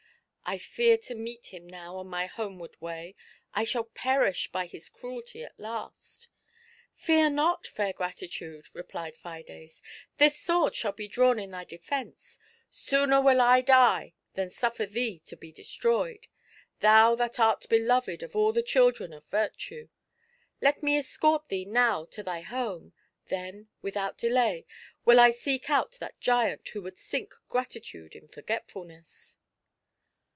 I fear to meet him now on my homeward way — I shall perish by his cruelty at last." " Fear not, Fair Gratitude," replied Fides; " this sword shall be drawn in thy defence ; sooner will I die than suffer thee to be destroyed, thou that art beloved of all the children of virtue. Let me escort thee now to thy home ; then, without delay, will I seek out that giant who would sink Gratitude in Forgetfiilness."